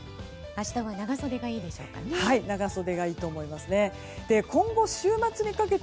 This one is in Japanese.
明日は長袖がいいでしょうかね。